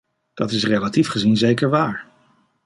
Dat is relatief gezien zeker waar.